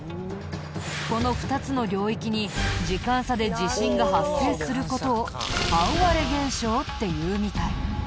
この２つの領域に時間差で地震が発生する事を半割れ現象っていうみたい。